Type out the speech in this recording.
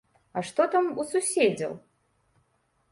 А што там у суседзяў?